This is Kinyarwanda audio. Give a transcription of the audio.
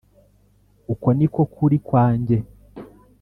uko niko kuri kwa njye